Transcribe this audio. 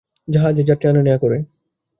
জাহাজের যাত্রী আনা নেয়া করে।